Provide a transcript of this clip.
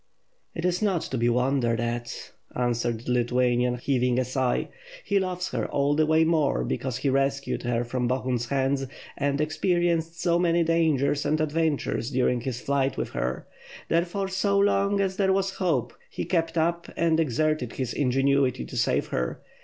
"It is not to be wondered at," answered the Lithuanian, heaving a sigh. "He loves her all the more because he rescued her from Bohun's hands, and experienced so many dangers and adventures during his flight with her. There fore, so long as there wae hope, he kept up and exerted his ingenuity to save her.